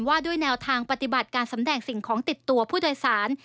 ว่าด้วยแนวทางปฏิบัติการสำแดงสิ่งของติดตัวผู้โดยสาร